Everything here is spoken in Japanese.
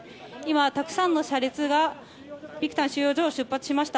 たくさんの車列がビクタン収容所を出発しました。